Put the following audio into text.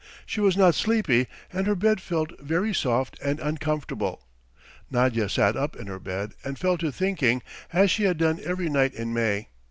She was not sleepy, and her bed felt very soft and uncomfortable. Nadya sat up in her bed and fell to thinking as she had done every night in May.